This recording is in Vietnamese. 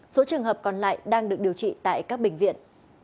số trường hợp còn lại đang được điều trị tại các bệnh viện